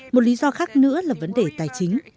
một lý do khác nữa là vấn đề tài chính